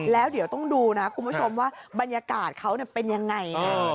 แล้วเดี๋ยวต้องดูนะคุณผู้ชมว่าบรรยากาศเขาเป็นยังไงนะ